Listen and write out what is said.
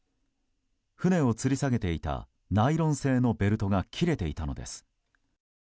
船をつり下げていたナイロン製のベルトが切れていたのです。